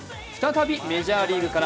再びメジャーリーグから。